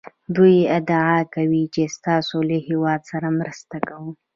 دوی ادعا کوي چې ستاسو له هېواد سره مرسته کوو